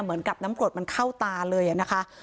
เหมือนกับน้ำกรดมันเข้าตาเลยนะคะ